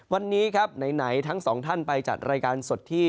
วันนี้ครับไหนทั้งสองท่านไปจัดรายการสดที่